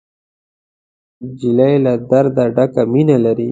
نجلۍ له درده ډکه مینه لري.